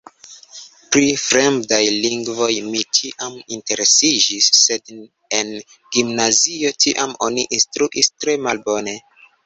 Pri fremdaj lingvoj mi ĉiam interesiĝis, sed en gimnazio tiam oni instruis tre malbone.